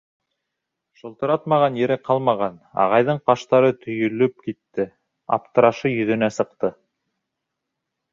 Шылтыратмаған ере ҡалмаған... — ағайҙың ҡаштары төйөлөп китте, аптырашы йөҙөнә сыҡты.